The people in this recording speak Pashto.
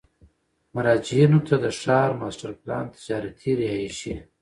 مراجعینو ته د ښار ماسټر پلان، تجارتي، رهایشي،